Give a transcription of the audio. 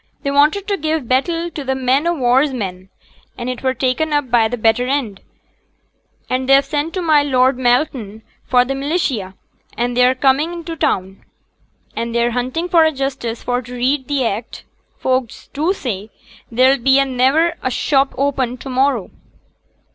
They wanted to give battle to t' men o' war's men; and it were taken up by th' better end, and they've sent to my Lord Malton for t' militia; and they're come into t' town, and they're hunting for a justice for t' read th' act; folk do say there'll be niver a shop opened to morrow.'